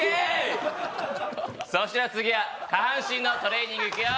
そして次は下半身のトレーニングいくよ。